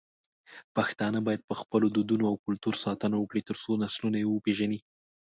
پښتانه بايد په خپلو دودونو او کلتور ساتنه وکړي، ترڅو نسلونه يې وپېژني.